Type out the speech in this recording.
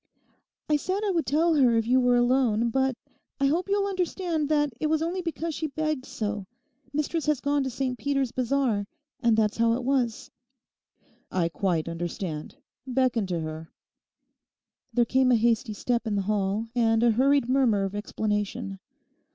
'I said I would tell her if you were alone. But I hope you'll understand that it was only because she begged so. Mistress has gone to St Peter's bazaar; and that's how it was.' 'I quite understand. Beckon to her.' There came a hasty step in the hall and a hurried murmur of explanation.